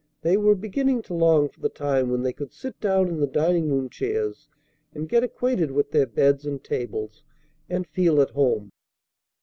They were beginning to long for the time when they could sit down in the dining room chairs, and get acquainted with their beds and tables, and feel at home.